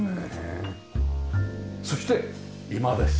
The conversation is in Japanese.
そして居間です。